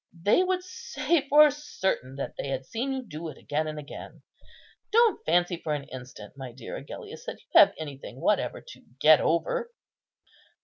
They would say for certain that they had seen you do it again and again. Don't fancy for an instant, my dear Agellius, that you have anything whatever to get over."